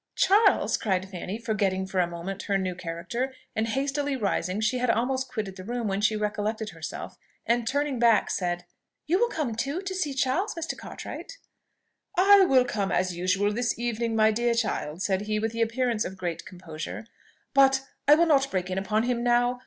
"Charles?" cried Fanny, forgetting for a moment her new character; and hastily rising she had almost quitted the room, when she recollected herself, and turning back, said, "You will come too, to see Charles, Mr. Cartwright?" "I will come, as usual, this evening, my dear child," said he, with the appearance of great composure; "but I will not break in upon him now.